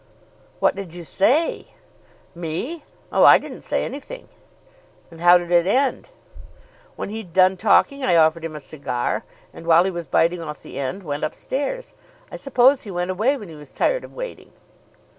"What did you say?" "Me! Oh, I didn't say anything." "And how did it end?" "When he'd done talking I offered him a cigar, and while he was biting off the end I went up stairs. I suppose he went away when he was tired of waiting."